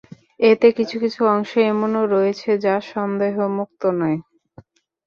এতে কিছু কিছু অংশ এমনও রয়েছে যা সন্দেহমুক্ত নয়।